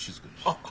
あっ！